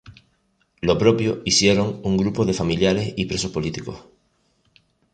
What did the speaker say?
Lo propio hicieron un grupo de familiares y presos políticos.